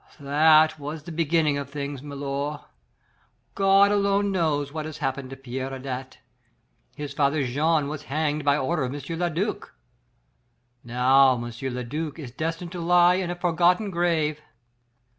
That was the beginning of things, milor. God alone knows what has happened to Pierre Adet. His father Jean was hanged by order of M. le duc. Now M. le duc is destined to lie in a forgotten grave.